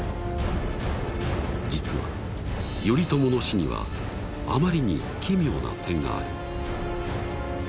実は頼朝の「死」にはあまりに奇妙な点がある。